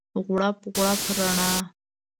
غوړپ، غوړپ رڼا